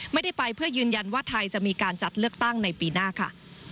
ไม่ได้ไปเพื่อยืนยันว่าไทยจะมีการจัดเลือกตั้งในปีหน้าค่ะ